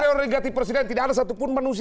hak pre oregatif presiden tidak ada satupun manusia